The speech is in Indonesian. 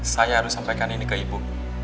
saya harus sampaikan ini ke ibu